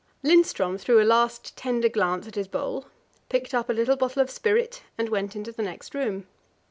Lindström threw a last tender glance at his bowl, picked up a little bottle of spirit, and went into the next room.